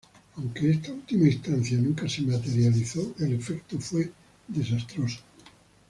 Aunque esta última instancia nunca se materializó el efecto fue "desastroso".